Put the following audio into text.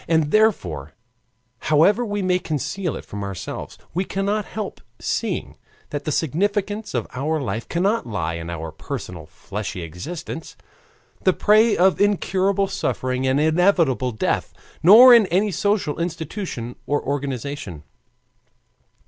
And therefore, however we may conceal it from ourselves, we cannot help seeing that the significance of our life cannot lie in our personal fleshly existence, the prey of incurable suffering and inevitable death, nor in any social institution or organization.